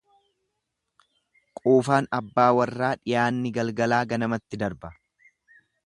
Quufaan abbaa warraa dhiyaanni galgalaa ganamatti darba.